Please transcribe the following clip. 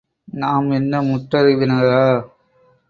நாம் என்ன முற்றறிவினரா?